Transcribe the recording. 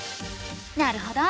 なるほど。